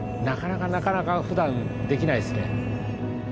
なかなか普段できないですね。